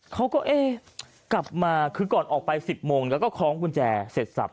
เขาก็เอ๊ะกลับมาคือก่อนออกไป๑๐โมงแล้วก็คล้องกุญแจเสร็จสับ